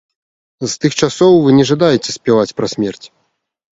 З тых часоў вы не жадаеце спяваць пра смерць.